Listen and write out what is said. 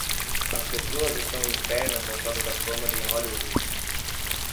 As pessoas estão em pé na calçada da fama de Hollywood.